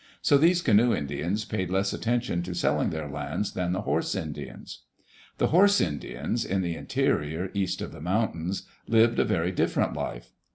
So these canoe Indians paid less attention to selling their lands than the horse Indians. The horse Indians, in the interior, east of the mountains, lived a very different life.